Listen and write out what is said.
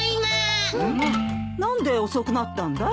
何で遅くなったんだい？